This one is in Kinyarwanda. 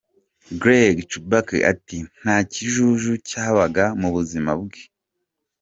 Greg Chubbuck ati “Nta kijuju cyabaga mu buzima bwe.